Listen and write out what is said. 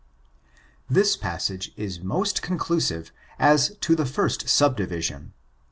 This passage is most conclusive as to the first subdivision.